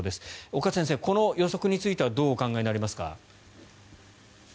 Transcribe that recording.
岡先生、この予測についてはどうお考えになりますか？